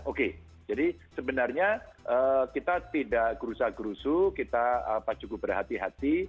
oke jadi sebenarnya kita tidak gerusa gerusu kita cukup berhati hati